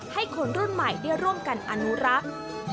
ให้คนรุ่นใหม่ได้ร่วมกันอนุรักษ์